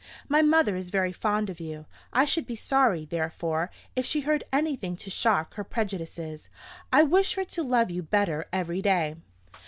My mother is very fond of you; I should be sorry, therefore, if she heard anything to shock her prejudices. I wish her to love you better every day."